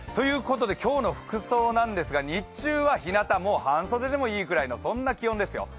今日の服装なんですが日中は日なた半袖でもいいくらいの気温ですよ。